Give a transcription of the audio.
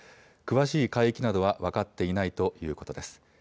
詳しい海域などは分かっていないということです。